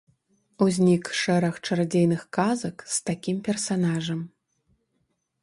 Узнік шэраг чарадзейных казак з такім персанажам.